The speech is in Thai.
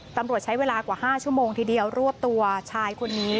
ตำรวจใช้เวลากว่า๕ชั่วโมงทีเดียวรวบตัวชายคนนี้